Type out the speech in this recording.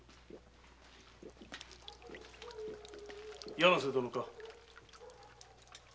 柳瀬殿か。